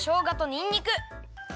にんにく。